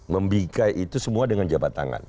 membikai itu semua dengan jabat tangan